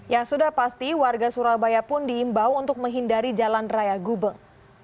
ya sudah pasti warga surabaya pun diimbau untuk menghindari jalan raya gubeng